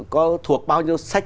có thuộc bao nhiêu sách